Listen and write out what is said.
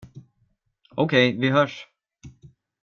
Okej, vi hörs!